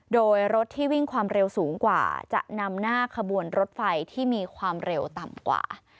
โดยรถที่วิ่งความเร็วสูงกว่าจะนำหน้าขบวนรถไฟที่มีความเร็วต่ำกว่า